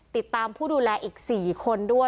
ติดตามผู้ดูแลอีก๔คนด้วย